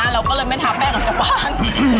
เราก็เลยไม่ทาแป้งกับจับป้าน